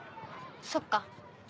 そっか。